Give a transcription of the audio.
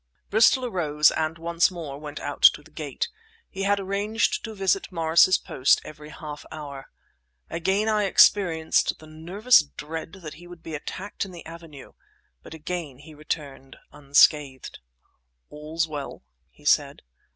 Bristol arose and once more went out to the gate. He had arranged to visit Morris's post every half hour. Again I experienced the nervous dread that he would be attacked in the avenue; but again he returned unscathed. "All's well," he said.